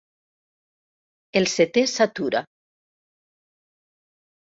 El setè s'atura.